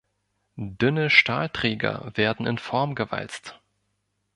Dünne Stahlträger werden in Form gewalzt.